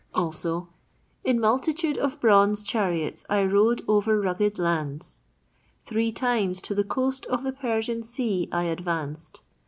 "In multitude of bronze chariots I rode over rugged lands." "Three times to the coast of the Persian sea I advanced."